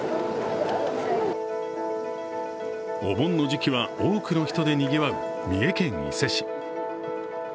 お盆の時期は多くの人でにぎわう三重県伊勢市。